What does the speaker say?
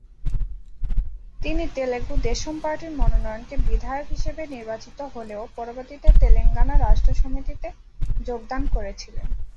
তিনি তেলুগু দেশম পার্টির মনোনয়নে বিধায়ক হিসেবে নির্বাচিত হলেও পরবর্তীতে তেলেঙ্গানা রাষ্ট্র সমিতিতে যোগদান করেছিলেন।